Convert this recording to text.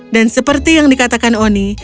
dan seperti yang dikatakan oni